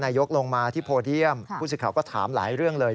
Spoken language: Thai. นายยกลงมาที่พูดเลี่ยมสุดฉันเหล่าอาหารหลายเรื่องเลย